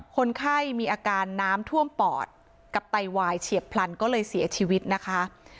คนไข้มีอาการน้ำท่วมปอดกับไตวายเฉียบพลันก็เลยเสียชีวิตนะคะ